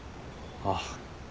ああ。